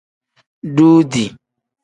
Duudi.